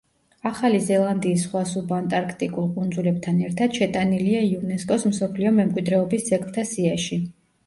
ახალი ზელანდიის სხვა სუბანტარქტიკულ კუნძულებთან ერთად შეტანილია იუნესკოს მსოფლიო მემკვიდრეობის ძეგლთა სიაში.